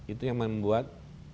itu yang membuat